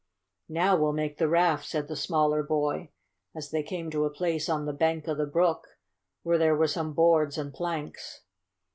"Now we'll make the raft," said the smaller boy, as they came to a place on the bank of the brook where there were some boards and planks.